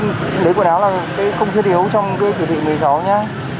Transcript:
em ơi lấy quần áo là không thiết yếu trong cái chỉ thị một mươi sáu nhá